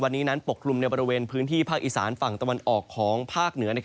วันนี้นั้นปกลุ่มในบริเวณพื้นที่ภาคอีสานฝั่งตะวันออกของภาคเหนือ